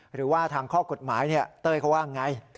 หรือว่าทางข้อกฎหมายเต้ยเขาว่าไง